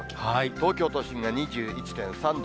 東京都心が２１．３度。